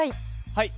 はい。